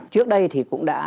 trước đây thì cũng đã